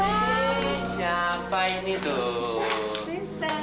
hei siapa ini tuh